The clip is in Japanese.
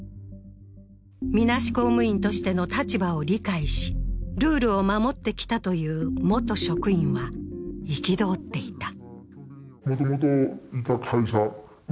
みなし公務員としての立場を理解しルールを守ってきたという職員は憤っていた。